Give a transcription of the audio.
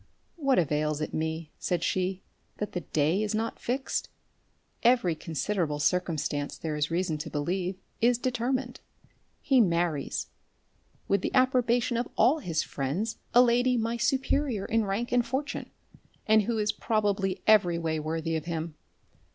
"What avails it me," said she, "that the day is not fixed? Every considerable circumstance, there is reason to believe, is determined. He marries, with the approbation of all his friends, a lady, my superior in rank and fortune, and who is probably every way worthy of him.